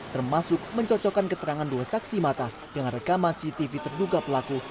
termasuk mencocokkan keterangan dua saksi mata dengan rekaman cctv terduga pelaku